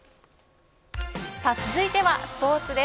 続いてはスポーツです。